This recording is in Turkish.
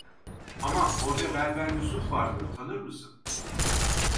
Aman, orda berber Yusuf vardır, tanır mısın?